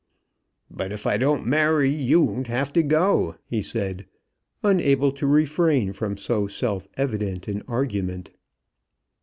"But if I don't marry you won't have to go," he said, unable to refrain from so self evident an argument.